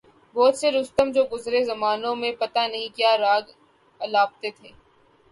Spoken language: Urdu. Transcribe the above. بہت سے رستم جو گزرے زمانوں میں پتہ نہیں کیا راگ الاپتے تھے۔